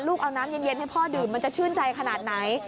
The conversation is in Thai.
เอาน้ำเย็นให้พ่อดื่มมันจะชื่นใจขนาดไหน